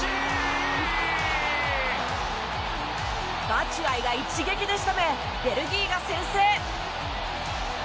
バチュアイが一撃で仕留めベルギーが先制。